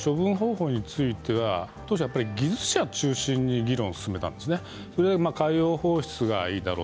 政府は処分方法については技術者を中心に議論を進めていたんです。